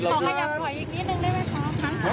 ขอขยับไปอีกนิดนึงได้ไหมครับ